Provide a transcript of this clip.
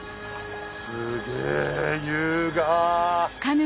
すげぇ優雅。